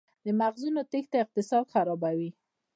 د مغزونو تیښته اقتصاد خرابوي؟